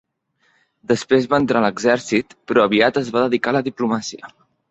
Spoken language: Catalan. Després va entrar en l'exèrcit, però aviat es va dedicar a la diplomàcia.